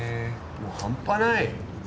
もう半端ない！